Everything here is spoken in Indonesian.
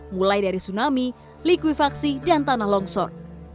mulai dari tsunami likuifaksi dan tanah longsor